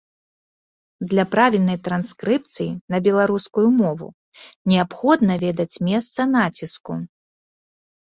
Для правільнай транскрыпцыі на беларускую мову неабходна ведаць месца націску.